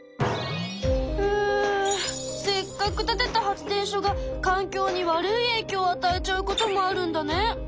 せっかく建てた発電所が環境に悪い影響をあたえちゃうこともあるんだね。